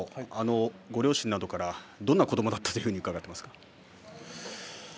ご両親などから、どんな子どもだったと伺っていますか？